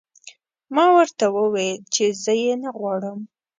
ما ورته وویل چې زه یې نه غواړم